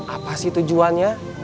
apa sih tujuannya